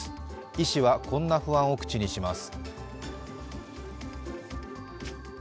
医師はこんな不安を口にします。